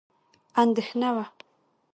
اندېښنه نه وه.